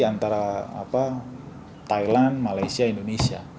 antara thailand malaysia indonesia